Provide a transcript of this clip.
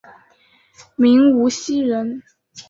明无锡人。